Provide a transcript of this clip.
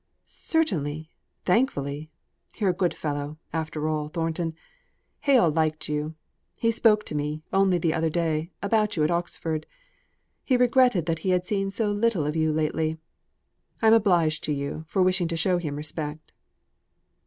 "Certainly; thankfully. You're a good fellow, after all, Thornton. Hale liked you. He spoke to me, only the other day, at Oxford. He regretted he had seen so little of you lately. I am obliged to you for wishing to show him respect."